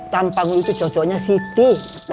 tampang lu itu cocoknya siti